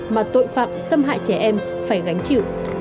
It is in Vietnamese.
mà tội phạm xâm hại trẻ em phải gánh chịu